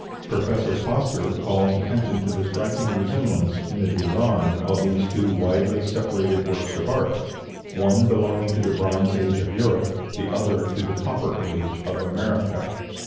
Professor Foster calls attention to the striking resemblance in the designs of these two widely separated works of art, one belonging to the Bronze Age of Europe, the other to the Copper Age of America.